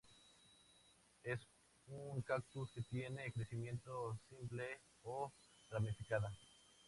Es un cactus que tiene crecimiento simple o ramificada.